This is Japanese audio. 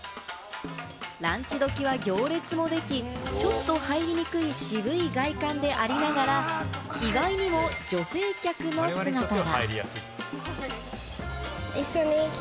ランチどきは行列もでき、ちょっと入りにくい渋い外観でありながら、意外にも女性客の姿が。